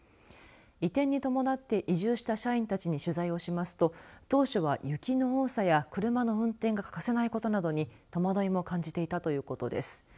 移転に伴って移住した社員たちに取材をしますと当初は雪の多さや車の運転が欠かせないことなどに戸惑いも感じていたということです。